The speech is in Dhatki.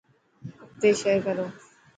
اگتي شيئر ڪرو.